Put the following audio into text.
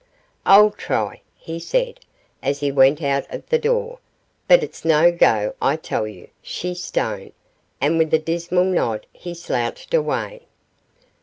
'I'll try,' he said, as he went out of the door, 'but it's no go, I tell you, she's stone,' and with a dismal nod he slouched away.